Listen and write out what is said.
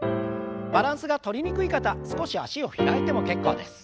バランスがとりにくい方少し脚を開いても結構です。